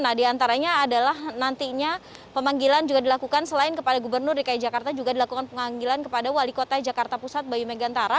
nah diantaranya adalah nantinya pemanggilan juga dilakukan selain kepada gubernur dki jakarta juga dilakukan pemanggilan kepada wali kota jakarta pusat bayu megantara